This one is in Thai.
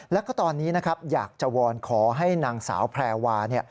แล้วก็ตอนนี้นะครับอยากจะวอนขอให้นางสาวแพรวา